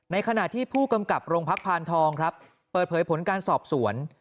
ขณะที่ผู้กำกับโรงพักพานทองครับเปิดเผยผลการสอบสวน